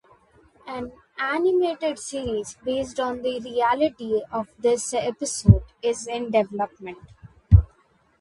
An animated series based on the reality of this episode is in development.